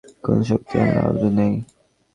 তোমাদের থেকে আযাব দূর করার কোন শক্তি আমার আদৌ নেই।